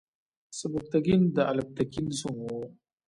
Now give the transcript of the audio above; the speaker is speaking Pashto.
سبکتګین د الپتکین زوم و.